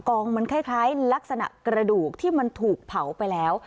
กองมันคล้ายลักษณะกระดูกที่มันถูกเผาไปแล้ว